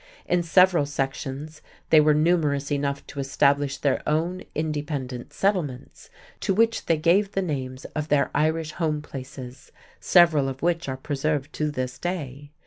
In several sections, they were numerous enough to establish their own independent settlements, to which they gave the names of their Irish home places, several of which are preserved to this day.